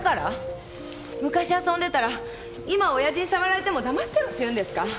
昔遊んでたら今おやじに触られても黙ってろって言うんですか？